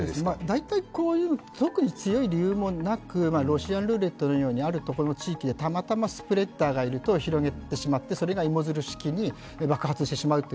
特に強い理由もなく、ロシアンルーレットのようにあるところの地域でたまたまスプレッダーがいると広げてしまってそれが芋づる式に爆発してしまうと。